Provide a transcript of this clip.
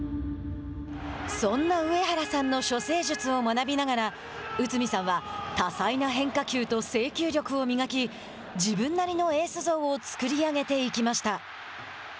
そんな上原さんの処世術を学びながら内海さんは多彩な変化球と制球力を磨き自分なりのエース像を作り上げていきました。